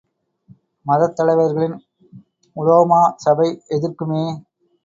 மதத் தலைவர்களின் உலோமா சபை எதிர்க்குமே!